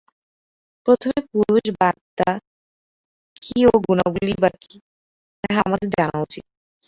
প্রথমে পুরুষ বা আত্মা কী ও গুণগুলিই বা কী, তাহা আমাদের জানা উচিত।